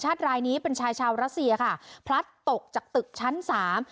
รายนี้เป็นชายชาวรัสเซียค่ะพลัดตกจากตึกชั้นสาม